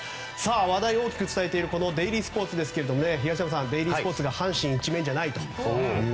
話題を大きく伝えているデイリースポーツですが東山さん、デイリースポーツが阪神一面じゃないと。